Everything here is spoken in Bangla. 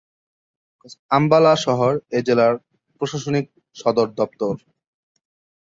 আম্বালা শহর এ জেলার প্রশাসনিক সদর দপ্তর।